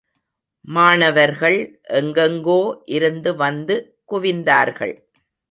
மாணவர்கள் எங்கெங்கோ இருந்து வந்து குவிந்தார்கள்.